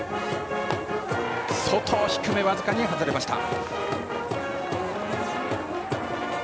外低め、僅かに外れた。